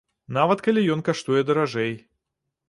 Нават калі ён каштуе даражэй.